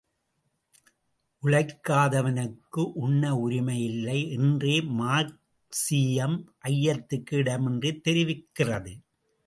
உழைக்காதவனுக்கு உண்ண உரிமை இல்லை என்றே மார்க்சீயம் ஐயத்திற்கு இடமின்றித் தெரிவிக்கிறது.